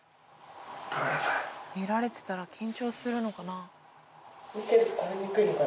見られてたら緊張するのかな？